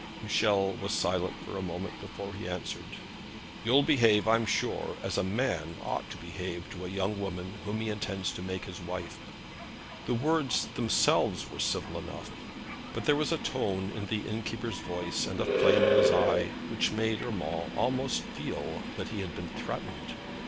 Michel was silent for a moment before he answered. 'You'll behave, I'm sure, as a man ought to behave to a young woman whom he intends to make his wife.' The words themselves were civil enough; but there was a tone in the innkeeper's voice and a flame in his eye, which made Urmand almost feel that he had been threatened.